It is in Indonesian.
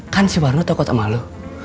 kan si warno tau kok tak malu